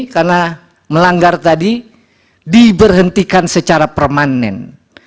karena melanggar tadi diberhentikan secara permanen